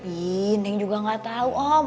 ih neng juga gak tau om